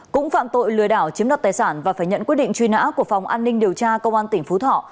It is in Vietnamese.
cũng phạm tội lừa đảo chiếm đoạt tài sản và phải nhận quyết định truy nã của phòng an ninh điều tra công an tỉnh phú thọ